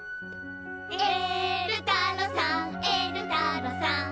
「えるたろさんえるたろさん」